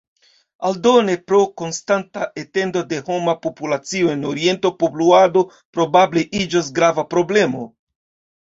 Aldone, pro konstanta etendo de homa populacio en Oriento, poluado probable iĝos grava problemo.